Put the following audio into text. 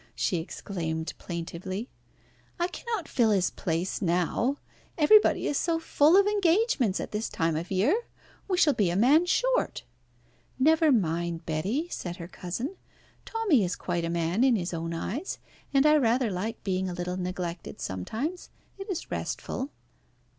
she exclaimed plaintively. "I cannot fill his place now. Everybody is so full of engagements at this time of the year. We shall be a man short." "Never mind, Betty," said her cousin. "Tommy is quite a man in his own eyes, and I rather like being a little neglected sometimes. It is restful."